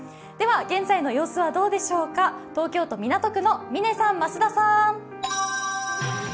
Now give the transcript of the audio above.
現在の様子はどうでしょうか東京都港区の嶺さん、増田さん。